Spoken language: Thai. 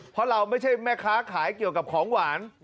เพราะเราไม่ใช่แม่ค้าขายเกี่ยวกับของหวาน